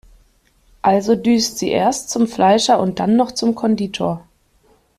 Also düst sie erst zum Fleischer und dann noch zum Konditor.